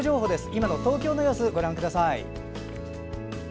今の東京の様子ご覧ください。